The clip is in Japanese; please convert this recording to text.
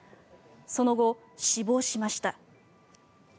その後、死亡しました。